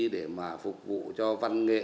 để mà phục vụ cho văn nghệ